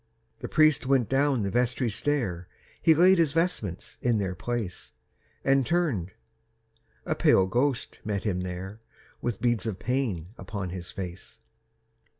The priest went down the vestry stair, He laid his vestments in their place, And turned—a pale ghost met him there, With beads of pain upon his face.